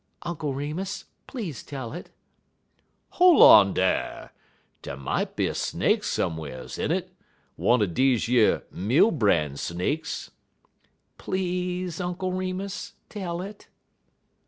"Uncle Remus, please tell it." "Hol' on dar! Dey mought be a snake some'rs in it one er deze yer meal bran snakes." "Please, Uncle Remus, tell it."